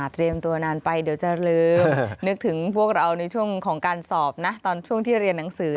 เตรียมตัวนานไปเดี๋ยวจะลืมนึกถึงพวกเราในช่วงของการสอบนะตอนช่วงที่เรียนหนังสือ